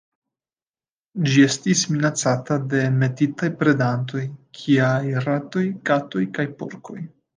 Ĝi estas minacata de enmetitaj predantoj kiaj ratoj, katoj kaj porkoj.